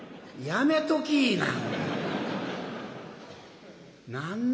やめときいな」。